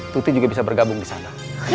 tuti juga bisa bergabung di sana